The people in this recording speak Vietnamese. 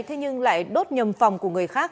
thế nhưng lại đốt nhầm phòng của người khác